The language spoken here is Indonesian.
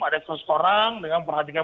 ada seratus orang dengan perhatikan